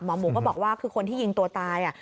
หมูก็บอกว่าคือคนที่ยิงตัวตาย